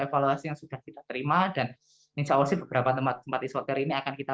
evaluasi yang sudah kita terima dan insya allah sih beberapa tempat tempat isoter ini akan kita